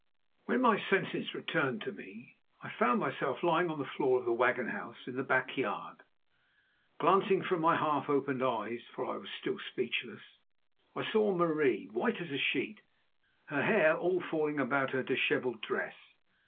When my senses returned to me I found myself lying on the floor of the wagon house in the back yard. Glancing from my half opened eyes, for I was still speechless, I saw Marie, white as a sheet, her hair all falling about her dishevelled dress.